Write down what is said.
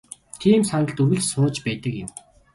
Тийм сандалд үргэлж сууж байдаг юм.